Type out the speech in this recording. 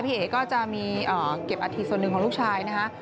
เอ๋ก็จะมีเก็บอาทิตส่วนหนึ่งของลูกชายนะฮะ